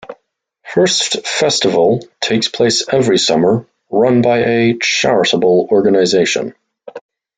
Hurst Festival takes place every summer, run by a charitable organisation.